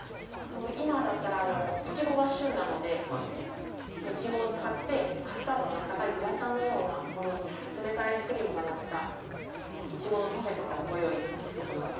今だったらイチゴが旬なのでイチゴを使ってカスタードの温かいグラタンのようなものに冷たいアイスクリームがのったイチゴのパフェもご用意できます。